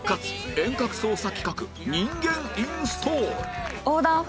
遠隔操作企画人間インストール